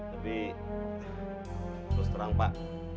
lebih terus terang pak